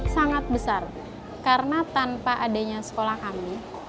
sangat besar karena tanpa adanya sekolah kami